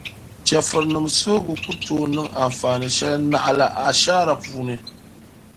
Chεfurinim’ suhigu ku tooi niŋ anfaani shεli naɣila ashaara puuni.